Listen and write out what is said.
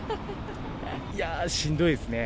いやぁ、しんどいですね。